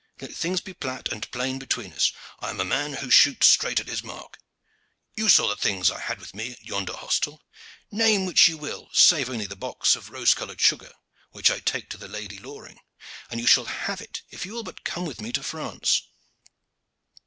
Let things be plat and plain between us. I am a man who shoots straight at his mark. You saw the things I had with me at yonder hostel: name which you will, save only the box of rose colored sugar which I take to the Lady Loring, and you shall have it if you will but come with me to France."